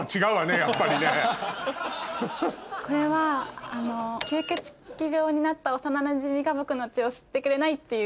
これは吸血鬼病になった幼なじみが僕の血を吸ってくれないっていう。